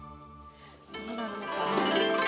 どうなるのかな。